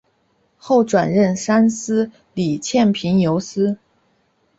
后转任三司理欠凭由司。